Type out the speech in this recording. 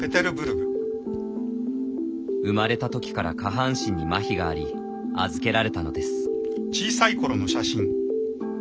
生まれたときから下半身にまひがあり預けられたのです。